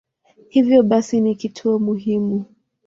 Hivyo basi ni kituo muhimu.